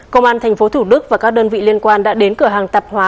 công an tp thủ đức và các đơn vị liên quan đã đến cửa hàng tạp hóa